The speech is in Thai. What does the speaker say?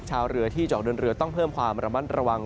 ชาวเรือที่จะออกเดินเรือต้องเพิ่มความระมัดระวัง